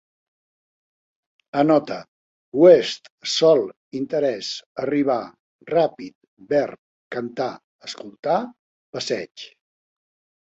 Anota: oest, sòl, interès, arribar, ràpid, verb, cantar, escoltar, passeig